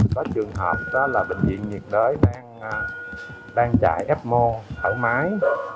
có trường hợp đó là bệnh viện nhiệt đới đang chạy fmo thẩm máy